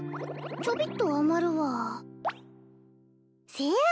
ちょびっと余るわせや！